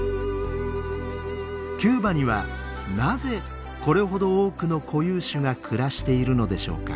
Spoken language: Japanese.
キューバにはなぜこれほど多くの固有種が暮らしているのでしょうか？